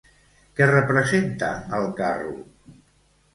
Què representa el carro?